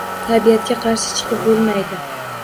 Tabiatga qarshi chiqib bo‘lmaydi.